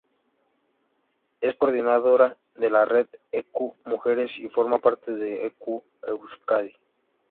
Es coordinadora de la Red Equo Mujeres y forma parte de Equo Euskadi.